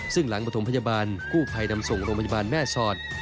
ซึ่งหลังประถมพยาบาลกู้ภัยนำส่งโรงพยาบาลแม่สอด